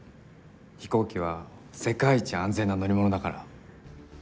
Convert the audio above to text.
飛行機は世界一安全な乗り物だから。